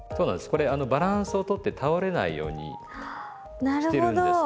これバランスを取って倒れないようにしてるんですけど。